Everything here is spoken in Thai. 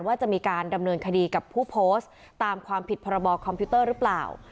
ว่าจะมีการดำเนินคดีกับผู้โพสต์ตามความผิดพรบคอมพิวเตอร์หรือเปล่า